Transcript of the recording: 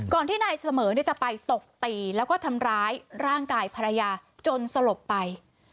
ที่นายเสมอจะไปตบตีแล้วก็ทำร้ายร่างกายภรรยาจนสลบไป